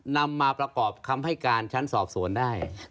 นำมาประกอบคำให้การชั้นสอบสวนได้